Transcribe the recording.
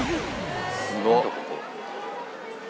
すごっ！